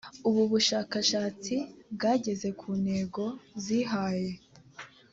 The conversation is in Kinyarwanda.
ubu bushakashatsi bwageze ku ntego zihaye